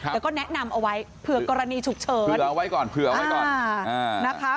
แต่ก็แนะนำเอาไว้เผื่อกรณีฉุกเฉินเผื่อเอาไว้ก่อน